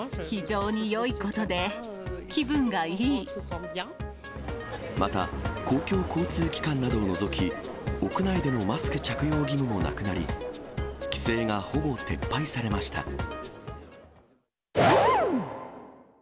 非常によいことで、気分がいまた、公共交通機関などを除き、屋内でのマスク着用義務もなくなり、規制がほぼ撤廃されました。